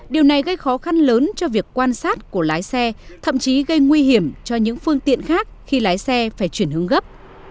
điều này gây khó khăn lớn cho việc quan sát của lái xe thậm chí gây nguy hiểm cho những phương tiện khác khi lái xe phải chuyển hướng gấp